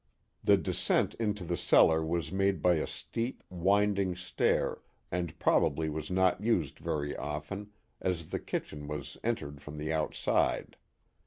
The descent into the cellar was made by a steep, winding stair, and probably was not used very often, as the kitchen was en> tered from the outside.